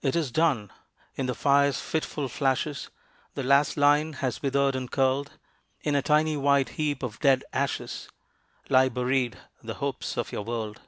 It is done! in the fire's fitful flashes, The last line has withered and curled. In a tiny white heap of dead ashes Lie buried the hopes of your world.